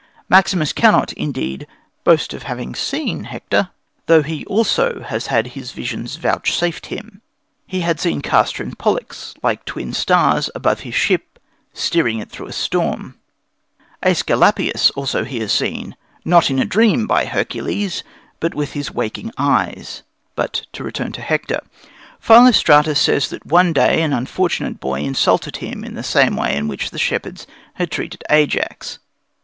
Maximus cannot, indeed, boast of having seen Hector, though he also has had his visions vouchsafed him. He had seen Castor and Pollux, like twin stars, above his ship, steering it through a storm. Æsculapius also he has seen not in a dream, by Hercules, but with his waking eyes. But to return to Hector. Philostratus says that one day an unfortunate boy insulted him in the same way in which the shepherds had treated Ajax.